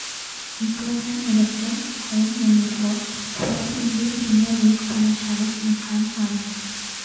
It was an adopted home venue for former Indian Premier League franchise Deccan Chargers.